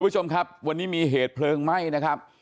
คุณผู้ชมครับวันนี้มีเหตุเพลิงไหม้นะครับ